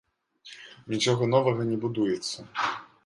Нічога новага не будуецца.